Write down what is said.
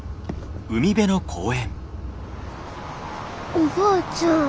おばあちゃん。